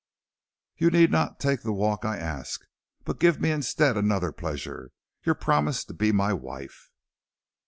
You need not take the walk I ask, but give me instead another pleasure your promise to be my wife."